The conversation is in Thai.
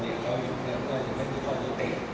ปัญหาที่ช่วยในเฟย์คลับถึงช่วยเราให้ด้วย